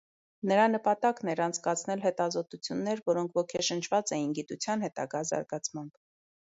Նրա նպատակն էր անցկացնել հետազոտություններ, որոնք ոգեշնչված էին գիտության հետագա զարգացմամբ։